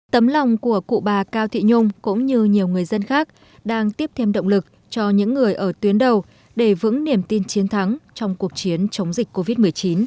tấm lòng của cụ bà cao thị nhung cũng như nhiều người dân khác đang tiếp thêm động lực cho những người ở tuyến đầu để vững niềm tin chiến thắng trong cuộc chiến chống dịch covid một mươi chín